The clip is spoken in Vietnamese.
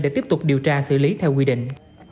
để tiếp tục điều tra xử lý theo quy định